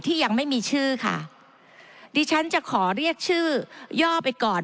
ยังไม่มีชื่อค่ะดิฉันจะขอเรียกชื่อย่อไปก่อน